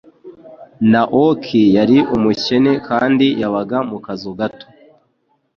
Naoki yari umukene kandi yabaga mu kazu gato.